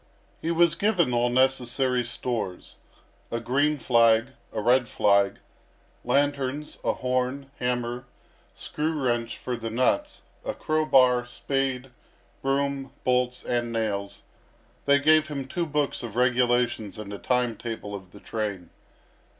He was given all necessary stores a green flag, a red flag, lanterns, a horn, hammer, screw wrench for the nuts, a crow bar, spade, broom, bolts, and nails; they gave him two books of regulations and a time table of the train.